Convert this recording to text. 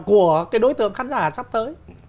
của cái đối tượng khán giả sắp tới